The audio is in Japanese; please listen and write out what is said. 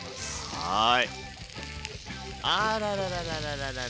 はい。